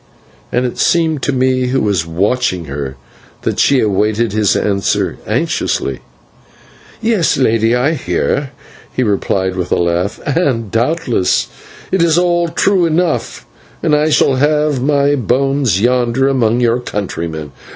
and it seemed to me, who was watching her, that she awaited his answer anxiously. "Yes, Lady, I hear," he replied, with a laugh, "and doubtless it is all true enough, and I shall leave my bones yonder among your countrymen.